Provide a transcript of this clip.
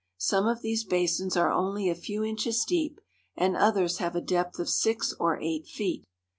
Some of these basins are only a few inches deep, and others have a depth of six or eight feet.